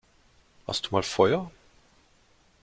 Hast du mal Feuer?